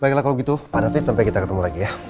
baiklah kalau gitu pada fit sampai kita ketemu lagi ya